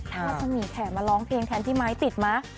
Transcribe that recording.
ถ้ามักจะมีแขกมาร้องเพลงแทนที่ไมค์ติดมา